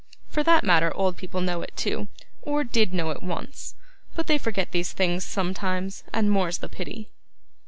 For that matter, old people know it too, or did know it once, but they forget these things sometimes, and more's the pity.